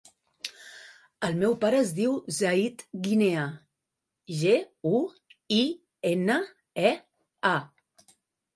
El meu pare es diu Zayd Guinea: ge, u, i, ena, e, a.